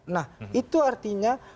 nah itu artinya